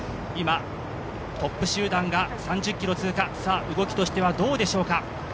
今、トップ集団が３０ｋｍ通過、動きとしてはどうでしょうか